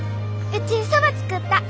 うちそば作った！